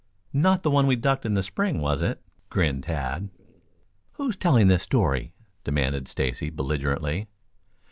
"Not the one we ducked in the spring, was it?" grinned Tad. "Who's telling this story?" demanded Stacy belligerently.